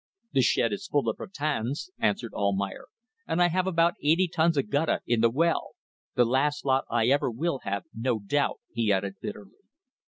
"The shed is full of rattans," answered Almayer, "and I have about eighty tons of guttah in the well. The last lot I ever will have, no doubt," he added, bitterly.